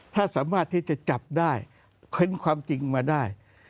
ถ้าสามารถที่จะจับได้เค้นความจริงมาได้